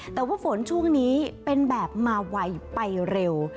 แต่ว่าฝนช่วงนี้เป็นแบบมาไวไปเร็ว